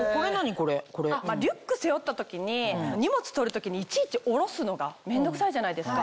リュック背負った時に荷物取る時にいちいち下ろすのが面倒くさいじゃないですか。